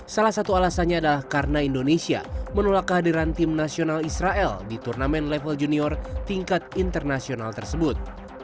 salah satu alasannya adalah karena indonesia menolak kehadiran tim nasional israel di turnamen level junior tingkat internasional tersebut